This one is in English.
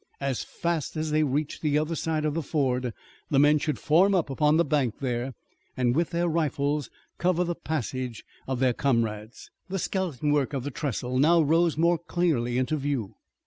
As fast as they reached the other side of the ford the men should form upon the bank there, and with their rifles cover the passage of their comrades. The skeleton work of the trestle now rose more clearly into view.